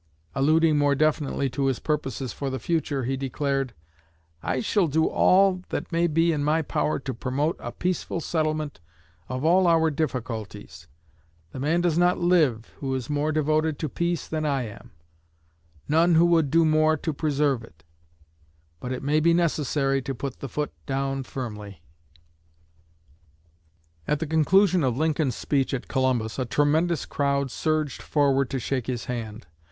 Alluding more definitely to his purposes for the future, he declared: "I shall do all that may be in my power to promote a peaceful settlement of all our difficulties. The man does not live who is more devoted to peace than I am none who would do more to preserve it. But it may be necessary to put the foot down firmly." At the conclusion of Lincoln's speech at Columbus, a tremendous crowd surged forward to shake his hand.